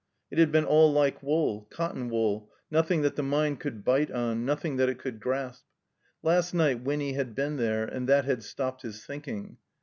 It had been all like wool, cotton wool, nothing that the mind cotild bite on, nothing that it could grasp. Last night Winny had been there, and that had stopped his thinking.